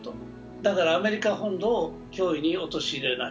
だからアメリカ本土を脅威に陥れない。